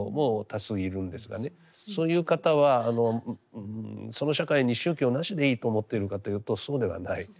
そういう方はその社会に宗教なしでいいと思っているかというとそうではない。